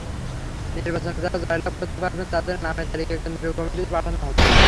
নির্বাচনে যাঁরা জয়লাভ করতে পারবেন, তাঁদের নামের তালিকা কেন্দ্রীয় কমিটিতে পাঠানো হবে।